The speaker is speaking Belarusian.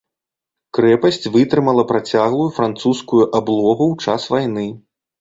Крэпасць вытрымала працяглую французскую аблогу ў час вайны.